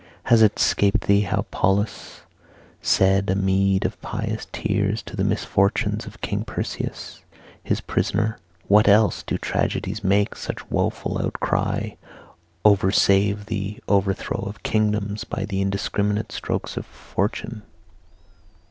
Has it 'scaped thee how Paullus paid a meed of pious tears to the misfortunes of King Perseus, his prisoner? What else do tragedies make such woeful outcry over save the overthrow of kingdoms by the indiscriminate strokes of Fortune?